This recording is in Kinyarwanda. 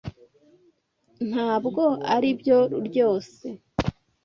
Ntabwo aribyo ryose